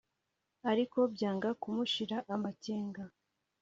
ariko byanga kumushira amakenga.